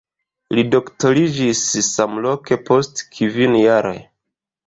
Li doktoriĝis samloke post kvin jaroj.